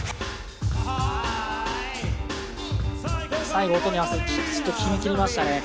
最後、音に合わせてきちっと決めきりましたね。